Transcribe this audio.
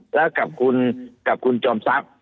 แล้วกับคุณจอมทรัพย์